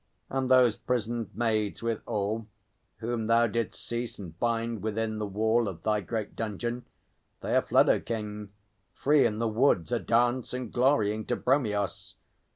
And those prisoned Maids withal Whom thou didst seize and bind within the wall Of thy great dungeon, they are fled, O King, Free in the woods, a dance and glorying To Bromios.